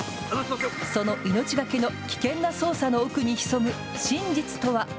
その命懸けの危険な捜査の奥に潜む真実とは？